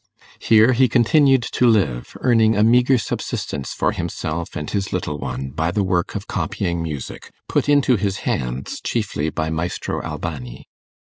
Here he continued to live, earning a meagre subsistence for himself and his little one by the work of copying music, put into his hands chiefly by Maestro Albani.